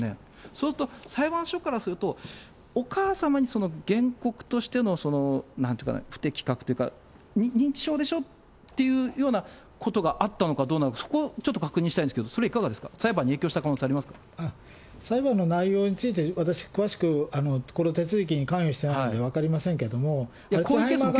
そうすると裁判所からすると、お母様に原告としての、なんていうかな、不適格というか、認知症でしょっていうようなことがあったのかどうなのか、そこちょっと確認したいんですけど、それいかがですか、裁判の内容について、私詳しくこの手続きに関与してないので分かりませんけれども。